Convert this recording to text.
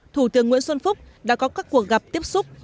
thủ tướng nguyễn xuân phúc đã có các cuộc gặp tiếp xúc